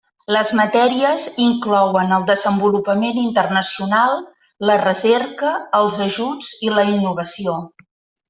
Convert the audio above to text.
Les matèries inclouen el desenvolupament internacional, la recerca, els ajuts i la innovació.